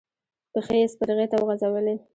پښې يې سپرغې ته وغزولې.